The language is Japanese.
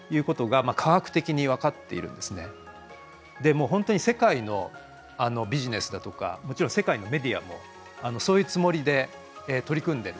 もう本当に世界のビジネスだとかもちろん世界のメディアもそういうつもりで取り組んでる。